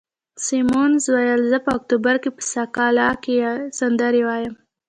سیمونز وویل: زه په اکتوبر کې په سکالا کې سندرې وایم.